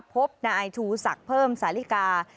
พบนาอายทูสักเพิ่มสาฬิกา